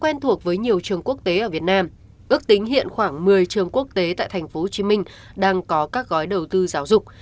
quen thuộc với nhiều trường quốc tế ở việt nam ước tính hiện khoảng một mươi trường quốc tế tại tp hcm đang có các gói đầu tư giáo dục